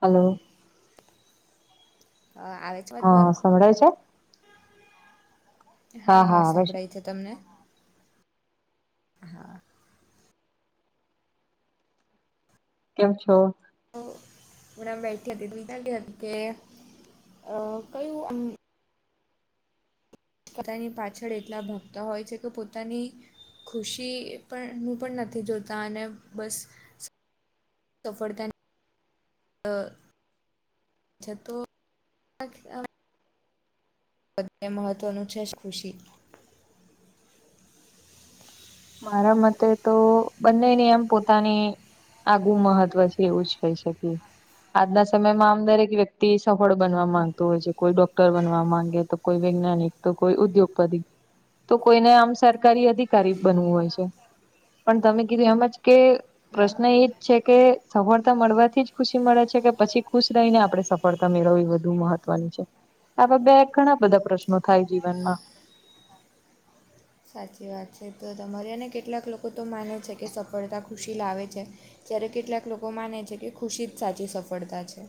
Hello હ આવે છે હ અવાજ મારો સંભડાય છે? હા હા સંભળાય છે તમને? હા કેમ છો? હમણા બેઠી હતી દ્તા કે હતી કે અ કયુંમ પોતાની પાછળ એટલા ભાગતા હોય છે કે પોતાની ખુશી પણ હું પણ નથી જોતા અને બસ ત ફળત ન અ અછ તો અન બધને મહત્વનું છે જ ખુશી [inaudible] મારા મતે તો બંનેને એમ પોતાની આગું મહત્વ છે એવું જ કહી શકીએ આજના સમયમાં આમ દરેક વ્યક્તિ સફળ બનવા માંગતો હોય છે કોઈ ડોક્ટર બનવા માંગે તો કોઈ વૈજ્ઞાનિક તો કોઈ ઉદ્યોગપતિ તો કોઈને આમ સરકારી અધિકારી બનવું હોય છે પણ તમે કીધું એમ જ કે હા પ્રશ્ન એજ છે કે સફળતા મળવાથી જ ખુશી મળે છે કે પછી ખુશ રહીને આપડે સફ ફળતા મેળવવી વધુ મહત્વની છે આ બે ઘણા બધા પ્રશ્નો થાય જીવનમાં સાચી વાત છે તો તમારી એને કેટલાક લોકો તો માને છે કે સફળતા ખુશી લાવે છે જયારે કેટલાક લોકો માને છે કે ખુશી જ સાચી સફળતા છે.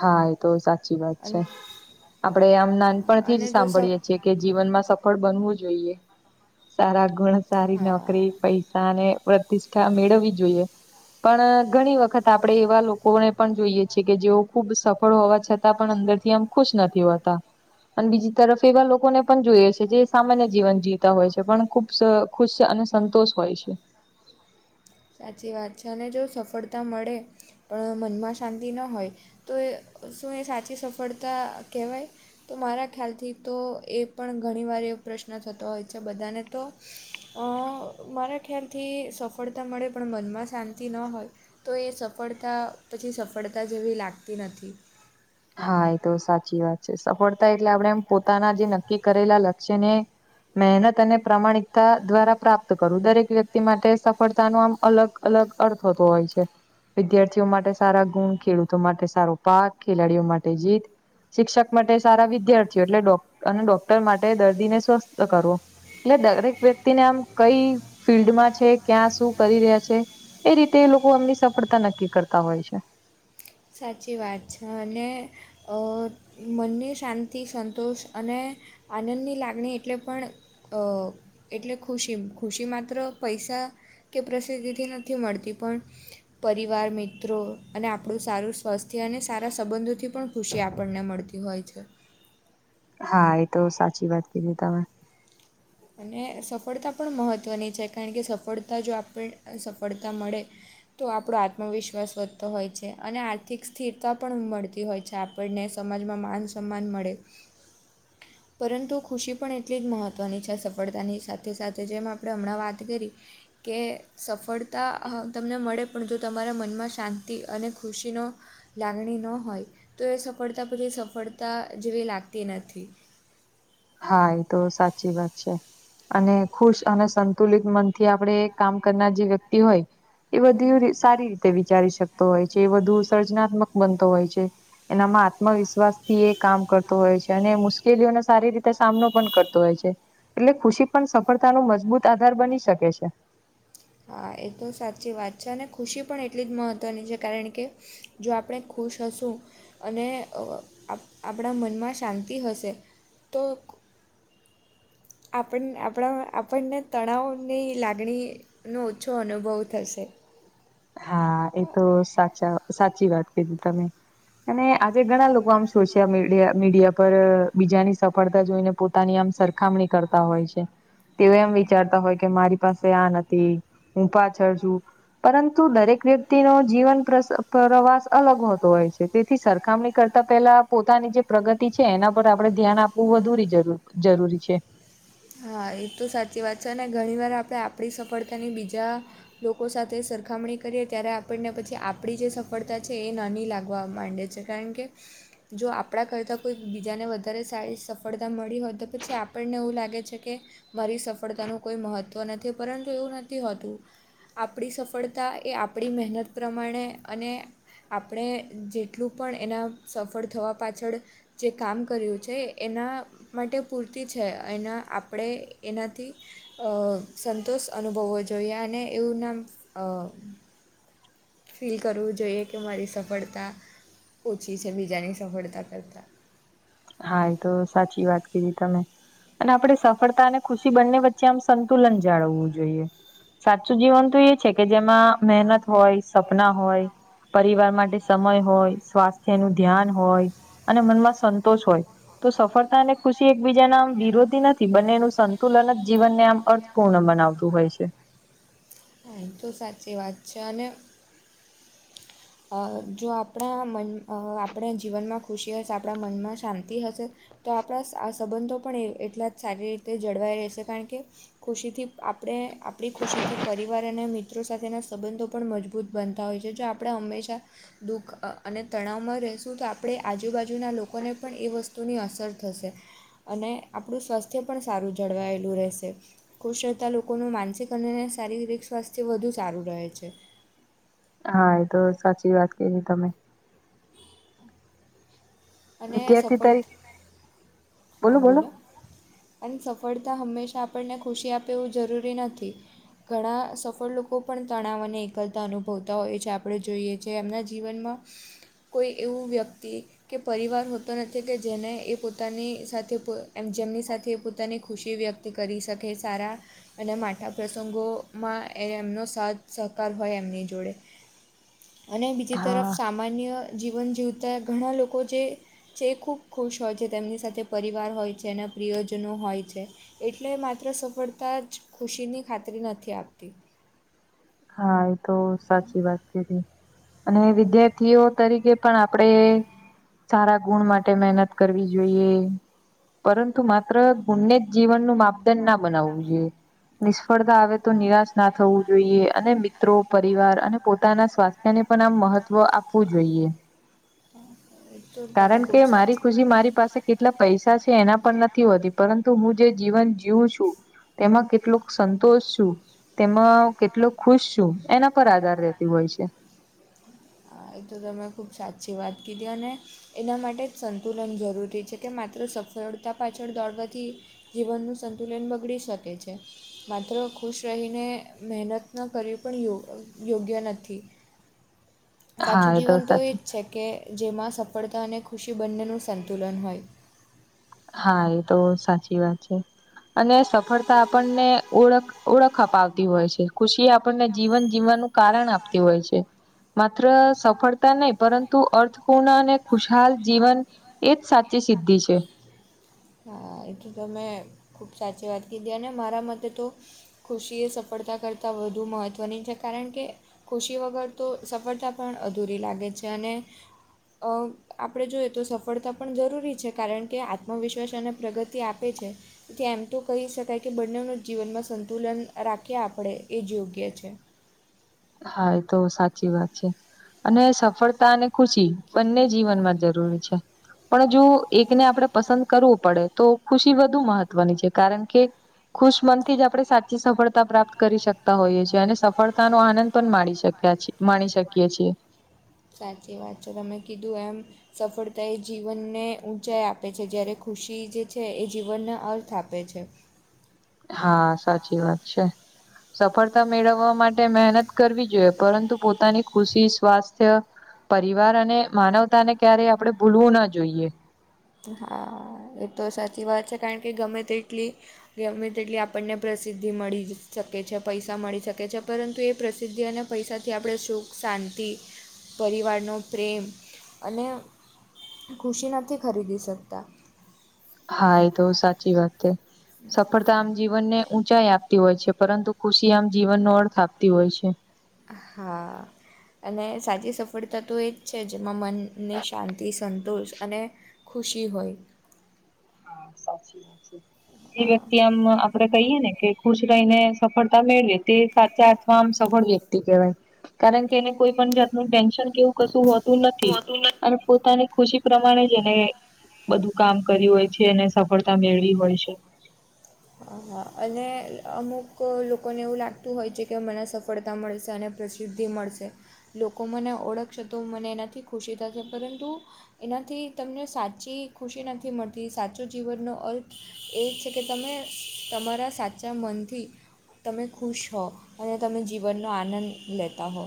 હા એ તો સાચી વાત છે અને આપડે આમ હા નાનપણથી અને જ જો સ સાંભળીએે છીએ કે જીવનમાં સફળ બનવું જોઈએ સારા ગુણ સારી નોકરી હા પૈસા અને પ્રતિષ્ઠા મેળવવી જોઈએ પણ ઘણી વખત આપડે એવા લોકોને પણ જોઈએ છે કે જેઓ ખુબ સફળ હોવા છતાં પણ અંદર થી આમ ખુશ નથી હોતા અને બીજી તરફ એવા લોકોને પણ જોઈએ છે જે સામાન્ય જીવન જીવતા હોય છે પણ ખુબ જ ખુશ છે અને સંતોષ હોય છે સાચી વાત છે અને જો સફળતા મળે પણ મનમાં શાંતિ ન હોય તો એ શું સાચી સફળતા કહેવાય? તો મારા ખ્યાલથી તો એ પણ ઘણીવાર એવો પ્રશ્ન થતો હોય છે બધાને તો અ મારા ખ્યાલથી સફળતા મળે પણ મનમાં શાંતિ ન હોય તો એ સફળતા પછી સફળતા જેવી લાગતી નથી. હા એ તો સાચી વાત છે સફળતા એટલે આપણે પોતાના જે નક્કી કરેલા લક્ષ્ય ને મહેનત અને પ્રામાણિકતા દ્વારા પ્રાપ્ત કરું દરેક વ્યક્તિ માટે સફળતા નો આમ અલગ અલગ અર્થ થતો હોય છે વિદ્યાર્થીઓ માટે સારા ગુણ ખેડૂતો માટે સારો પાક ખેલાડીઓ માટે જીત શિક્ષક માટે સારા વિદ્યાર્થીઓ એટલે ડૉ અને ડોક્ટર માટે દર્દીને સ્વસ્થ કરવો એટલે દરેક વ્યક્તિને આમ કઈ ફિલ્ડમાં છે ક્યાં શું કરી રહ્યા છે- એ રીતે લોકો એમની સફળતા નક્કી કરતા હોય છે. સાચી વાત છે અને અ મનને શાંતિ સંતોષ અને આનંદની લાગણી એટલે પણ અ એટલે ખુશી ખુશી માત્ર પૈસા કે પ્રસિદ્ધિથી નથી મળતી પણ પરિવાર મિત્રો અને આપણું સારું સ્વસ્થથી અને સારા સંબંધોથી પણ ખુશી આપણને મળતી હોય છે. હા એ તો સાચી વાત કીધી તમે અને સફળતા પણ મહત્ત્વની છે કારણ કે સફળતા જો આપણ સફળતા મળે તો આપણો આત્મવિશ્વાસ વધતો હોય છે અને આર્થિક સ્થિરતા પણ મળતી હોય છે આપ પણને સમાજમાં માન સન્માન મળે [inaudible] પરંતુ ખુશી પણ એટલી જ મહત્વની છે સફળતાની સાથે સાથે જેમ આપણે હમણાં વાત કરી કે સફળતા હ તમને મળે પણ જો તમારા મનમાં શાંતિ અને ખુશીનો લાગણી ન હોય તો એ સફળતા પછી સફળતા જેવી લાગતી નથી હા એ તો સાચી વાત છે અને ખુશ અને સંત તુલિત મનથી આપણે કામ કરનાર જે વ્યક્તિ હોય એ બધીવ હમ સારી રીતે વિચારી શકિયે તો એ જે વધુ સર્જનાત્મક બનતો હોય છે. એનામાં આત્મવિશ્વાસથી એ કામ કરતો હોય છે, અને મુશ્કેલીઓને સારી રીતે તે સામનો પણ કરતો હોય છે, એટલે ખુશી પણ સફળતા નો મજબૂત આધાર બની શકે છે. હા એ તો સાચી વાત છે, અને ખુશી પણ એટલી જ મહત્ત્વની છે. કારણ કે જો આપણે ખુશ હશું. અને અ આપઆપણા મનમાં શાંતિ હશે તો આપન આપણા આપણને તણાવની લાગણી નો ઓછો અનુભવ થશે. હા એ તો સાચા સાચી વાત કીધી તમે અને આજે ઘણા લોકો આમ સોશિયા મીડિયા મીડિયાપર બીજાની સફળતા જોઈને પો તાની આમ સરખામણી કરતા હોય છે. તેઓ એમ વિચારતા હોય કે મારી પાસે આ નથી. હું પાછળ છું. તું દરેક વ્યક તિ નો જીવન પ્રસ પ્રવાસ અલગ હોતો હોય છે. તેથી સરખામણી કરતા પેલા પોતાની જે પ્રગતિ છે એના પર આપણે ધ્યાન આપવું વધુરી જરૂરી જરૂરી છે. હા એ તો સાચી વાત છે, અને ઘણીવાર આપણે આપણી સફળતાની બીજા લોકો સાથે સરખામણી કરીએ ત્યારે આપણને પછી આપણી જે સફળતા છે. એ નાની લાગવા માંડે છે. કારણ કે જો આપણા કરતા કોઈક બીજાને વધારે સારી સફળતા મળી હોય, તો પછી આપણને એવું લાગે છે. કે મારી સફળતાનું કોઈ મહત્ત્વ નથી, પરંતુ એવું નથી હોતું. આપણી સફળતા એ આપણી મહેનત પ્રમાણે અને આપણે જેટલું પણ એના સફળ થવા પાછળ જે કામ કર્યું છે એના માટે પૂરતી છે. એના આપ પડે એનાથી અ સંતોષ અનુભવવો જોઈએ અને એવું નામ અ ફીલ કરવું જોઈએ કે મારી સફળતા ઓછી છે બીજાની સફળતા કરતા હા ઈતો સાચી વાત કીધી તમે. અને આપણે સફળતા અને ખુશી બંને વચ્ચે આમ સંતુલન જાળવવું જોઈએ. સાચું જીવન તો એ છે કે જેમાં મહેનત હોય, સપના હોય, પરિવાર માટે સમય હોય, સ્વાસ્થ્ય નું ધ્યાન હોય અને મનમાં સંતોષ હોય. તો સફળતા અને ખુશી એકબીજાના આમ વિરોધી નથી. બંનેનું સંતુલન જીવનને આમ અર્થ પૂર્ણ બનાવતું હોય છે. હા ઈતો સાચી વાત છે અને અ જો આપણા મન અ આપણા જીવનમાં ખુશી હશે. આપણા મનમાં શાંતિ હશે તો આપણા આ સંબંધો પણ એટલા જ સારી રીતે જળવાઈ રહેશે, કારણ કે ખુશીથી આપડે આપણી ખુશીથી પરિવાર અને મિત્રો સાથેના સંબંધો પણ મજબૂત બનતા હોય છે જો આપ આપડે હંમેશા દુઃખ અને તણાવમાં રહેશું તો આપણે આજુબાજુના લોકોને પણ એ વસ્તુની અસર થશે. અને આપણું સ્વાસ્થ્ય પણ સારું જળવાયેલું રહેશે. ખુશ થતાં લોકોનું માનસિક અને શારીરિક સ્વાસ્થ્ય વધુ સારું રહે છે. હા એ તો સાચી વાત કીધી તમે અને વિદ્યાર્થી સફળ તરીકે હા બોલો અને સફળતા હંમેશા આપણને ખુશી આપે એવું જરૂરી નથી. ઘણા સફળ લોકો પણ તણાવ અને એકલતા અનુભવતા હોય છે આપણે જોઈએ જે એમના જીવનમાં કોઈ એવું વ્યક્તિ કે પરિવાર હોતો નથી કે જેને એ પોતાની સાથે એમ જેમની સાથે પોતાની ખુશી વ્યક્ત કરી શકે સારા અને માઠા પ્રસંગોમાં એમનો સાથ સહકાર હોય એમની જોડે અને બીજી તરફ હા સામાન્ય જીવન જીવતા ઘણા લોકો જે જે ખૂબ ખુશ હોય છે તેમની સાથે પરિવાર હોય છે એના પ્રિયજનો હોય છે. એટલે માત્ર સફળતા જ ખુશીની ખાતરી નથી આપતી હા એ તો સાચી વાત કરી અને વિદ્યાર્થીઓ તરીકે પણ આપણેે સારા ગુણ માટે મહેનત કરવી જોઈએ. પરંતુ માત્ર ગુણને જ જીવનનું માપદંડ ના બનાવવું જોઈએ. નિષ્ફળતા આવે તો નિરાશ ના થવું જોઈએ. અને મિત્રો પરિવાર અને પોતાના સ્વાસ્થ્ય ને પણ આમ મહત્વ આપવું જોઈએ. હા એ તો તમે કારણ કે ખૂબ મારી સાચું ખુશી મારી પાસે કેટલા પૈસા છે એના પણ નથી હોતી પરંતુ હું જે જીવન જીવું છું તેમાં કેટલોક સંતોષ છું. તેમાં કેટલો ખુશ છું એના પર આધાર રહેતો હોય છે. હા એ તો તમે ખૂબ સાચી વાત કીધી અને એના માટે જ સંતુલન જરૂરી છે કે માત્ર સફળતા પાછળ દોડવાથી જીવનનું સંતુલન બગડી શકે છે. માત્ર ખુશ રહીને મહેનત ન કરવી પણ યોગ્ય નથી. સાચું જીવન તો એ જ છે કે જેમાં સફળતા અને ખુશી બંનેનું સંતુલન હોય હા એ તો સાચી વાત છે. અને સફળતા આપણને ઓળખ ઓળખ અપાવતી હોય છે. ખુશી આપણને જીવન જીવવાનું કારણ આપતી હોય છે. માત્ર સફળતા નહી પરંતુ અર્થપૂર્ણ અને ખુશહાલ જીવન એજ સાચી છે. સિધી છે. હા એટલે તો મેં ખૂબ સાચી વાત કીધી અને મારા મતે તો ખુશી એ સફળતા કરતાં વધુ મહત્ત્વની છે કારણ કે ખુશી વગર તો સફળતા પણ અધૂરી લાગે છે અને અ આપણે જોઈએ તો સફળતા પણ જરૂરી છે કારણ કે આત્મવિશ્વાસ અને પ્રગતિ આપે છે. તે એમ તો કહી શકાય કે બંનેનું જીવનમાં સંતુલન રાખીએ આપણે એ જ યોગ્ય છે હા એ તો સાચી વાત છે. અને સફળતા અને ખુશી બંને જીવનમાં જરૂરી છે. પણ જો એકને આપડે પસંદ કરવું પડે તો ખુશી વધુ મહત્વની છે કારણ કે ખુશ મનથી જ આપણે સાચી સફળતા પ્રાપ્ત કરી શકતા હોઈએ છીએ અને સફળતા નો આનંદ પણ માણી શક્યા માણી શકીએ છીએ. સાચી વાત છે તમે કીધું એમ. સફળતા એ જીવનને ઊંચાઈ આપે છે જ્યારે ખુશી જે છે એ જીવનને અર્થ આપે છે. હા સાચી વાત છે. સફળતા મેળવવા માટે મહેનત કરવી જોઈએ પરંતુ પોતાની ખુશી સ્વાસ્થ્ય પરિવાર અને માનવતા ને ક્યારેય આપણે ભૂલવું ના જોઈએ. હા એ તો સાચી વાત છે કારણ કે ગમે તે એટલી ગમે તેટલી આપણને પ્રસિદ્ધિ મળી શકે છે પૈસા મળી શકે છે પરંતુ એ પ્રસિદ્ધિ અને પૈસાથી આપણે સુખ શાંતિ પરિવારનો પ્રેમ અને ખુશી નથી ખરીદી શકતા. હા એ તો સાચી વાત છે સફળતા આમ જીવનને ઉંચાઈ આપતી હોય છે પરંતુ ખુશી આમ જીવનનો અર્થ આપતી હોય છે. હા અને સાચી સફળતા તો એ જ છે જેમાં મનની શાંતિ સંતોષ અને ખુશી હોય હા સાચી વાત છે. જે અ વ્યક્તિ આમ આપણે કહીએ ને કે ખુશ રહીને સફળતા મેળવીએ તે સાચા અથવા આમ સફળ વ્યક્તિ કેવાય કારણ કે એને કોઈ પણ જાતનું ટેન્શન કેવું? કશું હોતું નથી અને પોતાની ખુશી પ્રમાણે જ એને બધું કામ કર્યું હોય છે એને સફળતા મેળવી હોય છે. હા હા અને અમુક લોકોને એવું લાગતું હોય છે કે મને સફળતા મળશે અને પ્રસિદ્ધિ મળશે લોકો મને ઓળખશે તો મને એનાથી ખુશી થશે પરંતુ એનાથી તમને સાચી ખુશી નથી મળતી સાચો જીવનનો અર્થ એ છે કે તમે તમારા સાચા મનથી તમે ખુશ હો અને તમે જીવનનો આનંદ લેતા હો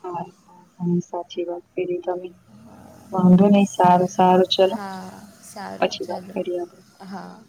હા ઘણી સાચી વાત કરી તમે વાંધો નહી સારું સારું ચલો હા સારું પછી વાત ચલો કરીએ આપડે હા